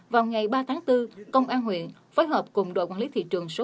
vào ngày ba tháng bốn công an huyện phối hợp cùng đội quản lý thị trường số một